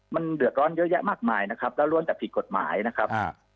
มันเดือดร้อนเยอะแยะมากมายนะครับแล้วล้วนแต่ผิดกฎหมายนะครับ